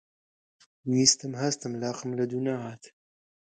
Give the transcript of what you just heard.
ویستم هەستم، لاقم لەدوو نەهات